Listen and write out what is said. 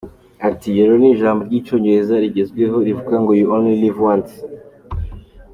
Ati “ Yolo ni ijambo ry’icyongereza rigezweho rivuga ngo You Only Live Once.